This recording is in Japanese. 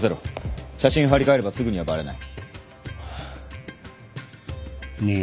写真張り替えればすぐにはバレない。